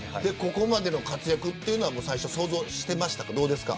ここまでの活躍は最初、想像していましたか。